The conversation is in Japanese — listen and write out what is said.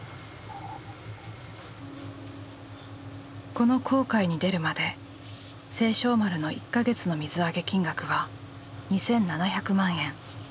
この航海に出るまで盛勝丸の１か月の水揚げ金額は２，７００万円。